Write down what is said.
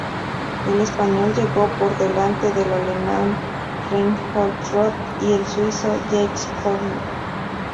El español llegó por delante del alemán Reinhold Roth y el suizo Jacques Cornu.